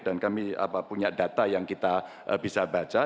dan kami punya data yang kita bisa baca